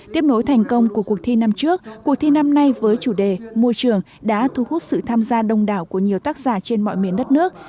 tiếp nối thành công của cuộc thi năm trước cuộc thi năm nay với chủ đề môi trường đã thu hút sự tham gia đông đảo của nhiều tác giả trên mọi miền đất nước